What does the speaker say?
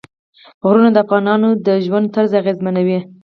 غرونه د افغانانو د ژوند طرز اغېزمنوي.